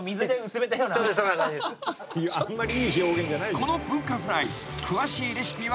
［この文化フライ］